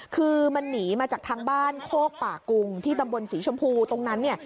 คือมันหนีมาจากทางบ้านโคกป่ากุงที่ตำบลศรีชมพูตรงนั้นเนี่ย